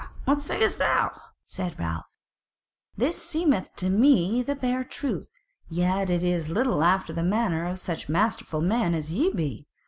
Hah! what sayest thou?" Said Ralph: "This seemeth to me but the bare truth; yet it is little after the manner of such masterful men as ye be.